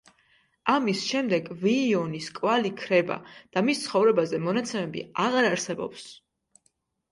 ამის შემდეგ ვიიონის კვალი ქრება და მის ცხოვრებაზე მონაცემები აღარ არსებობს.